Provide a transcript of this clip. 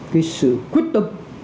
cái sự quyết tâm